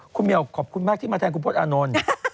คุณเมียลขอบคุณที่มาแทนคุณโพสต์อนนท์